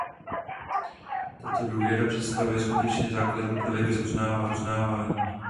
Tato důvěra představuje skutečně základní prvek vzájemného uznávání.